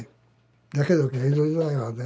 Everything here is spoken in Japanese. だけど江戸時代はね